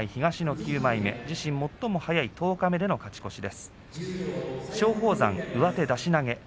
自身最も早い十日目での勝ち越しです。